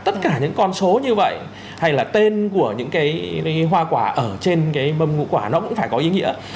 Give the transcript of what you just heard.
tất cả những con số như vậy hay là tên của những cái hoa quả ở trên cái mâm ngũ quả nó cũng phải có ý nghĩa